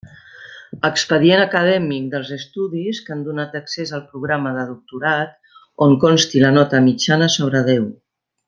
Expedient acadèmic dels estudis que han donat accés al programa de doctorat on consti la nota mitjana sobre deu.